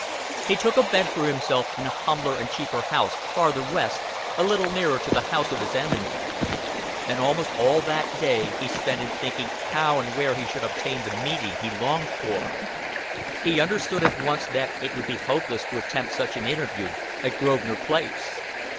He took a bed for himself in a humbler and cheaper house farther west, a little nearer to the house of his enemy; and almost all that day he spent in thinking how and where he should obtain the meeting he longed for. He understood at once that it would be hopeless to attempt such an interview at Grosvenor Place.